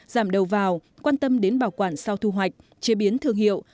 giảm đầu vào quan tâm đến bảo quản sau thu hoạch chế biến thương hiệu